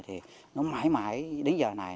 thì nó mãi mãi đến giờ này